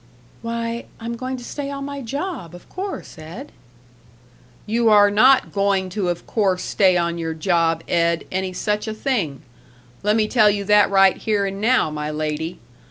"Why, I'm going to stay on my job, of course, Ed." "You are not going to of course stay on your job Ed, any such a thing. Lemme tell you that right here and now, my lady.